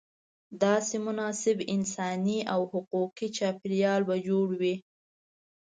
داسې مناسب انساني او حقوقي چاپېریال به جوړوې.